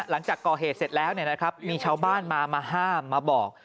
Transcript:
หลังจากก่อเหตุเสร็จแล้วมีชาวบ้านมามาห้ามมาบอก